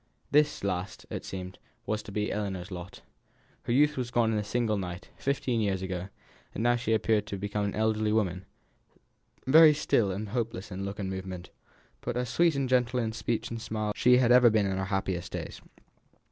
This last, it seemed, was to be Ellinor's lot. Her youth had gone in a single night, fifteen years ago, and now she appeared to have become an elderly woman; very still and hopeless in look and movement, but as sweet and gentle in speech and smile as ever she had been in her happiest days.